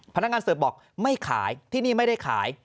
พนักงานเสิร์ฟบอกไม่ขายที่นี่ไม่ได้ขาย